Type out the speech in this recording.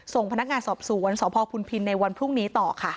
ส่งพนักงานสอบสวนสพพุนพินในวันพรุ่งนี้ต่อค่ะ